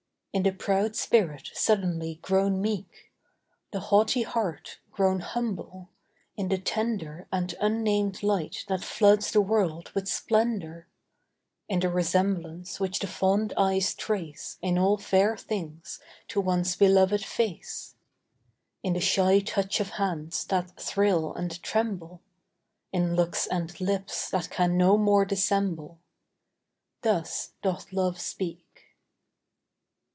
In the proud spirit suddenly grown meek The haughty heart grown humble; in the tender And unnamed light that floods the world with splendor; In the resemblance which the fond eyes trace In all fair things to one beloved face; In the shy touch of hands that thrill and tremble; In looks and lips that can no more dissemble Thus doth Love speak.